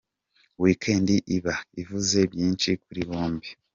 Weekend’ iba ivuze byinshi kuri bombi.